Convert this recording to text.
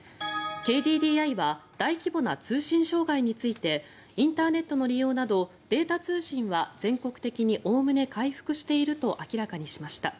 ＫＤＤＩは大規模な通信障害についてインターネットの利用などデータ通信は全国的におおむね回復していると明らかにしました。